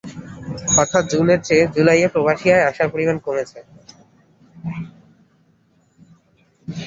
অর্থাৎ জুনের চেয়ে জুলাইয়ে প্রবাসী আয় আসার পরিমাণ কমেছে।